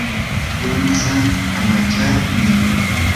yanasaa amachaqmi.